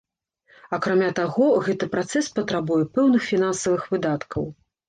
Акрамя таго, гэты працэс патрабуе пэўных фінансавых выдаткаў.